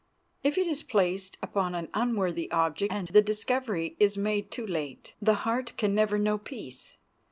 If it is placed upon an unworthy object, and the discovery is made too late, the heart can never know peace.